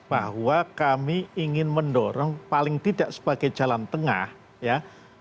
bahwa kami ingin mendorong paling tidak sebagai jalan tengah ya